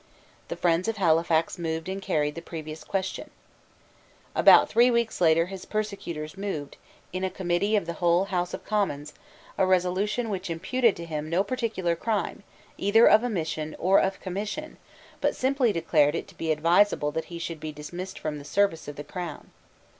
The friends of Halifax moved and carried the previous question, About three weeks later his persecutors moved, in a Committee of the whole House of Commons, a resolution which imputed to him no particular crime either of omission or of commission, but simply declared it to be advisable that he should be dismissed from the service of the Crown.